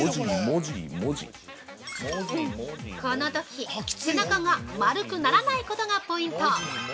◆このとき、背中が丸くならないことがポイント。